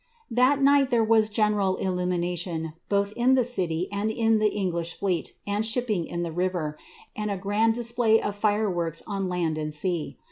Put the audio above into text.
That night there was illumination, both in the city and in the English fleet and ship the river, and a grand display of fireworks on land and sea.